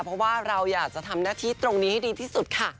เพราะว่าเราอยากจะทำหน้าที่ตรงนี้ให้ดีที่สุดค่ะ